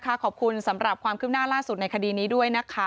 ขอบคุณสำหรับความคืบหน้าล่าสุดในคดีนี้ด้วยนะคะ